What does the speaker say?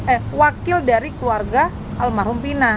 eh wakil dari keluarga almarhum pinang